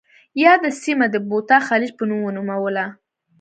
یاده سیمه د بوتا خلیج په نوم ونوموله.